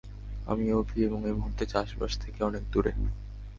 আমি অভি এবং এই মুহুর্তে চাষবাস থেকে অনেক দূরে।